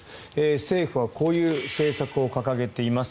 政府はこういう政策を掲げています。